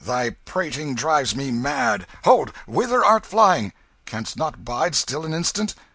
Thy prating drives me mad! Hold! Whither art flying? Canst not bide still an instant?